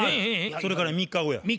それから３日後や。